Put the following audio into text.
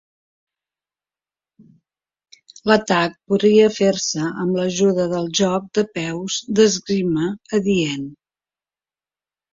L'atac podria fer-se amb l'ajuda del joc de peus d'esgrima adient.